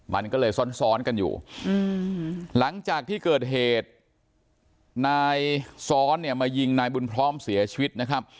มันก็เลยซ้อนซ้อนกันอยู่หลังจากที่เกิดเหตุนายซ้อนเนี่ยมายิงนายบุญพร้อมเสียชีวิตนะครับ